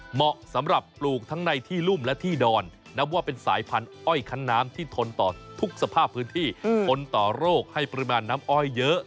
เหมาะสำหรับปลูกทั้งในที่รุ่มและที่ดอนนับว่าเป็นสายพันธุ์อ้อยคันน้ำที่ทนต่อทุกสภาพพื้นที่ทนต่อโรคให้ปริมาณน้ำอ้อยเยอะ